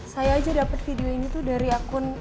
saya aja dapat video ini tuh dari akun